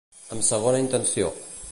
Amb segona intenció.